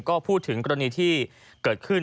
ก็พูดถึงกรณีที่เกิดขึ้น